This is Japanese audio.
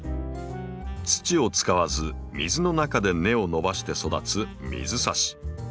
土を使わず水の中で根を伸ばして育つ水挿し。